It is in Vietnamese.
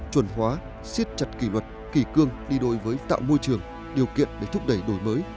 chuẩn hóa siết chặt kỷ luật kỳ cương đi đôi với tạo môi trường điều kiện để thúc đẩy đổi mới